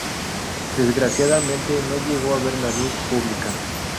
Desgraciadamente no llegó a ver la luz pública.